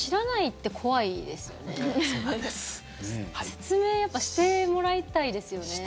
説明してもらいたいですよね。